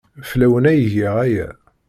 Fell-awen ay giɣ aya.